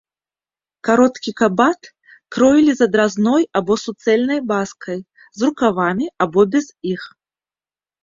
Кароткі кабат кроілі з адразной або суцэльнай баскай, з рукавамі або без іх.